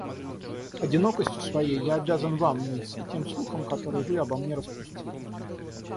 Одинокостью своей я обязан вам, мисс, и тем слухам, которые вы обо мне распустили.